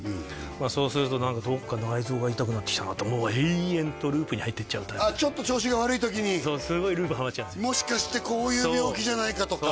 まあそうすると何かどっか内臓が痛くなってきたなともう永遠とループに入ってっちゃうああちょっと調子が悪い時にそうすごいループハマっちゃうもしかしてこういう病気じゃないかとか？